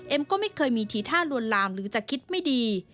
ก็ไม่เคยมีทีท่าลวนลามหรือจะคิดไม่ดี